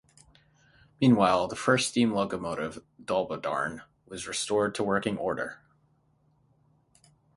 Meanwhile, the first steam locomotive, "Dolbadarn", was restored to working order.